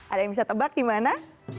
ada yang bisa tebak di mana